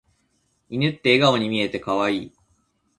犬って笑顔に見えて可愛い。